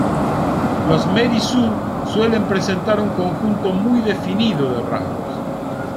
Los Mary Sue suelen presentar un conjunto muy definido de rasgos.